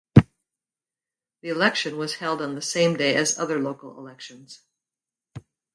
The election was held on the same day as other local elections.